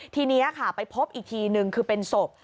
ทีนี้ค่ะไปพบอีกทีนึงคือเป็นศพ